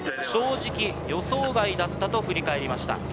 正直、予想外だったと振り返りました。